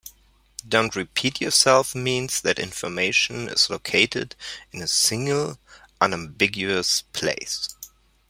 "Don't repeat yourself" means that information is located in a single, unambiguous place.